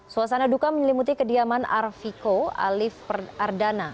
suasana duka menyelimuti kediaman arviko alif ardana